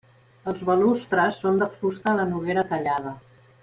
Els balustres són de fusta de noguera tallada.